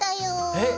えっ？